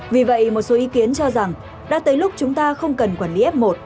vì vậy một số ý kiến cho rằng đã tới lúc chúng ta không cần quản lý f một